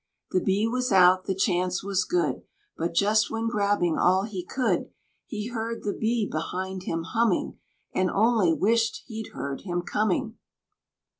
The Bee was out, the chance was good, But just when grabbing all he could, He heard the Bee behind him humming, And only wished he'd heard him coming!